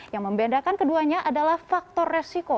yang membedakan keduanya adalah faktor resiko